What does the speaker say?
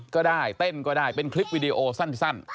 ก็ได้เต้นก็ได้เป็นคลิปวิดีโอสั้น